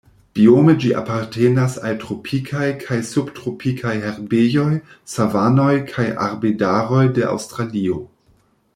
Biome ĝi apartenas al tropikaj kaj subtropikaj herbejoj, savanoj kaj arbedaroj de Aŭstralio.